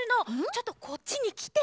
ちょっとこっちにきて！